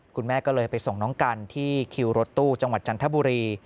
คุณแม่ก็เลยไปส่งน้องกันที่คิวรถตู้จังหวัดจันทบุรี